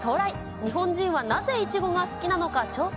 日本人はなぜイチゴが好きなのか調査。